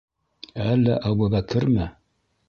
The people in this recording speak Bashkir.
Әллә Әбүбәкерме?